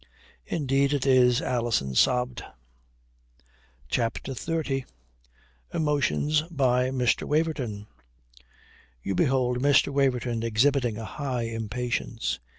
"Indeed it is," Alison sobbed. CHAPTER XXX EMOTIONS BY MR. WAVERTON You behold Mr. Waverton exhibiting a high impatience.